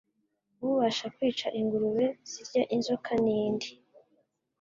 ubasha kwica ingurube zirya inzoka n’indi